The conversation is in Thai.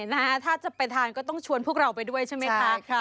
ถ้าจะไปทานก็ต้องชวนพวกเราไปด้วยใช่ไหมคะ